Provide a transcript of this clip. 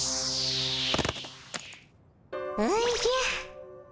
おじゃ。